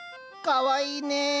かわいいね。